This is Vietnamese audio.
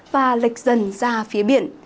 và lệch dần ra phía biển